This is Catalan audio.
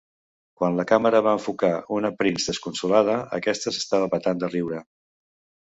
Quan la càmera va enfocar una Prinz "desconsolada", aquesta s'estava petant de riure.